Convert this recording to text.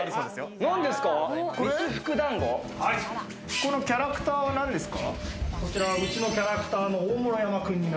このキャラクターは、なんですか？